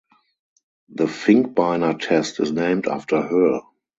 The Finkbeiner test is named after her.